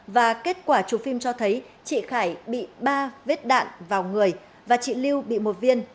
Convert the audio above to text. và kết quả chụp phim cho thấy chị khải bị ba vết đạn vào người và chị lưu bị một viên